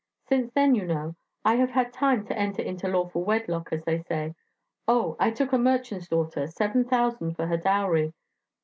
Since then, you know, I have had time to enter into lawful wedlock, as they say... Oh ... I took a merchant's daughter seven thousand for her dowry.